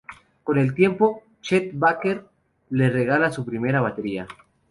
Con el tiempo, Chet Baker le regaló su primera batería.